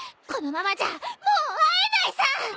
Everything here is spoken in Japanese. このままじゃもう会えないさ！